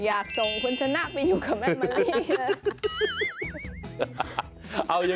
อยากส่งคุณชนะไปอยู่กับแม่มะลิเลย